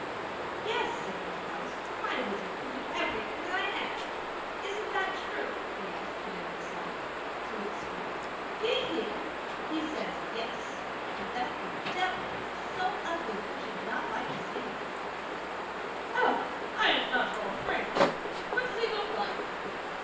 'Yes,' said Little Klaus; 'my wizard can do everything that I ask. Isn't that true?' he asked, treading on the sack so that it squeaked. 'Do you hear? He says ''Yes;'' but that the Devil looks so ugly that we should not like to see him.' 'Oh! I'm not at all afraid. What does he look like?